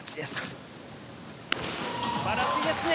素晴らしいですね。